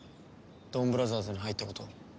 ドンブラザーズに入ったことを。